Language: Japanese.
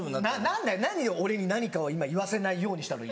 何だよ何俺に何かを今言わせないようにしたの？